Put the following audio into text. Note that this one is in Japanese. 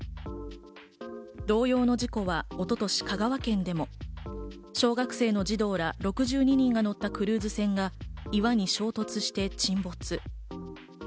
同様の事故は一昨年、香川県でも小学生の児童ら６２人が乗ったクルーズ船が岩に衝突して沈没。